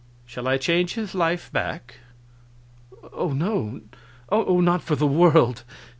Shall I change his life back?" "Oh no! Oh, not for the world!